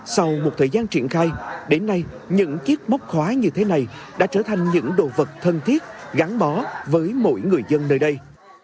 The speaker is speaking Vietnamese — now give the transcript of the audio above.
sau một thời gian triển khai đến nay những chiếc móc khóa như thế này đã trở thành những đồ vật thân thiết gắn bó với mỗi người dân nơi đây